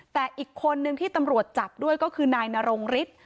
แต่อีกคนนึงที่ตำรวจจับด้วยก็คือนายนรงฤทธิ์